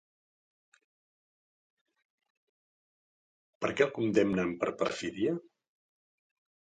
Per què el condemnen per perfídia?